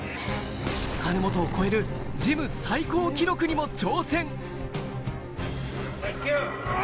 金本を超える、ジム最高記録にも挑戦。